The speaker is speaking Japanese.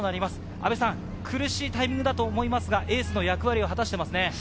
苦しいタイミングだと思いますが、エースの役割を果たしていますね。